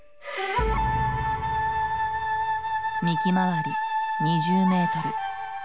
幹回り２０メートル。